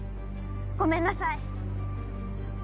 ごめんなさい！